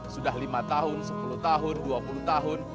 sudah lima tahun sepuluh tahun dua puluh tahun